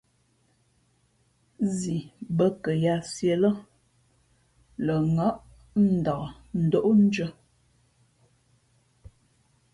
Zi bᾱ kαyǎt sīē lά, lα ŋάʼ pα nlak ndóʼndʉ̄ᾱ.